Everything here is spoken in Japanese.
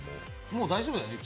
もう大丈夫だよね？